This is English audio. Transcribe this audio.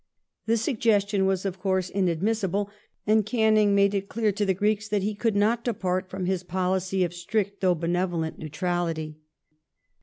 The sugges tion was, of coui*se, inadmissible, and Canning made it clear to the Greeks that he could not depart from his policy of strict, though benevolent, neutrality.